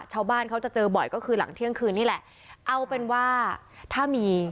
ชาวบ้านเขาจะเจอบ่อยก็คือหลังเที่ยงคืนนี่แหละเอาเป็นว่าถ้ามี